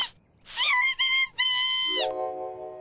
しおれてるっピ！